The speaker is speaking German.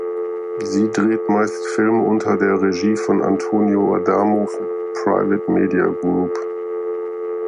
Sie dreht meist Filme unter der Regie von Antonio Adamo für Private Media Group.